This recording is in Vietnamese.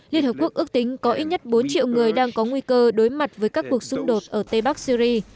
liên hợp quốc ước tính có ít nhất bốn triệu người đang có nguy cơ đối mặt với các cuộc xung đột ở tây bắc syri